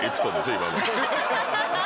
今の。